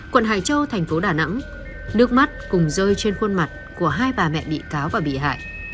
quận hải châu thành phố đà nẵng nước mắt cùng rơi trên khuôn mặt của hai bà mẹ bị cáo và bị hại